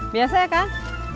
biasa ya kang